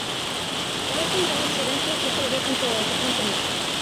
Belgian banks eventually took over control of the company.